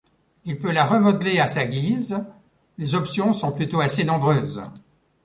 Il peut la remodeler à sa guise, les options sont plutôt assez nombreuses.